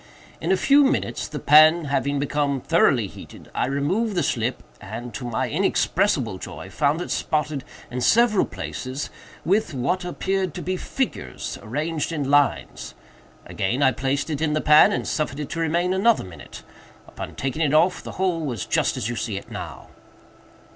In a few minutes, the pan having become thoroughly heated, I removed the slip, and, to my inexpressible joy, found it spotted, in several places, with what appeared to be figures arranged in lines. Again I placed it in the pan, and suffered it to remain another minute. Upon taking it off, the whole was just as you see it now."